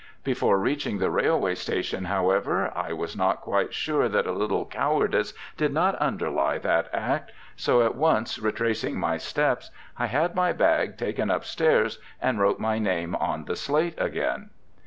Before reaching the railway station, however, I was not quite sure that a little cowardice did not underlie that act, so at once retracing my steps I had my bag taken upstairs and wrote my name on the slate again.